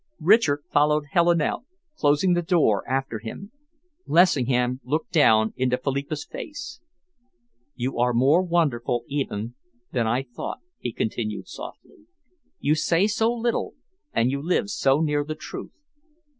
Richard followed Helen out, closing the door after him. Lessingham looked down into Philippa's face. "You are more wonderful even than I thought," he continued softly. "You say so little and you live so near the truth.